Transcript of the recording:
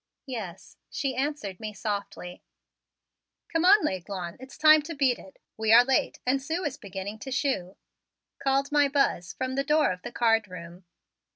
"Yes," she answered me softly. "Come on, L'Aiglon; it's time to beat it. We are late and Sue is beginning to shoo," called my Buzz from the door of the card room.